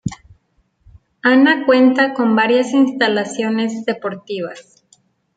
Anna cuenta con varias instalaciones deportivas.